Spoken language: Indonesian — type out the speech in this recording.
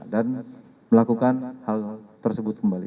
dan melakukan hal tersebut kembali